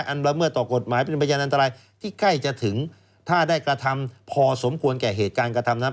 ละเมิดต่อกฎหมายเป็นพยานอันตรายที่ใกล้จะถึงถ้าได้กระทำพอสมควรแก่เหตุการณ์กระทำนั้น